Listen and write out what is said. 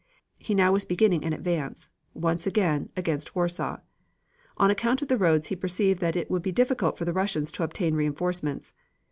He now was beginning an advance, once again, against Warsaw. On account of the roads he perceived that it would be difficult for the Russians to obtain reinforcements.